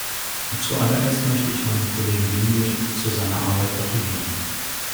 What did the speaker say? Zu allererst möchte ich meinem Kollegen Hinley zu seiner Arbeit gratulieren.